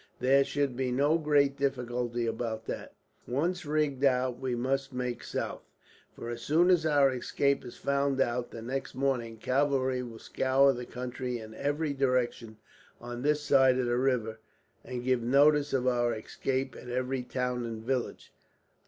There should be no great difficulty about that. Once rigged out we must make south, for as soon as our escape is found out the next morning, cavalry will scour the country in every direction on this side of the river, and give notice of our escape at every town and village.